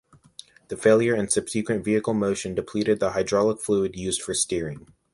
The failure and subsequent vehicle motion depleted the hydraulic fluid used for steering.